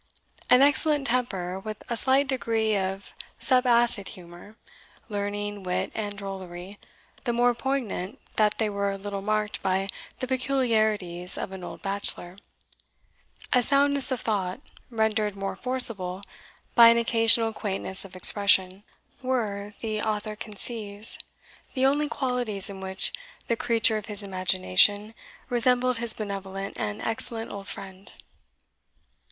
An excellent temper, with a slight degree of subacid humour; learning, wit, and drollery, the more poignant that they were a little marked by the peculiarities of an old bachelor; a soundness of thought, rendered more forcible by an occasional quaintness of expression, were, the author conceives, the only qualities in which the creature of his imagination resembled his benevolent and excellent old friend.